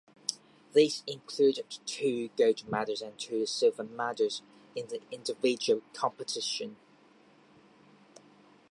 These included two gold medals and two sliver medals in the individual competition.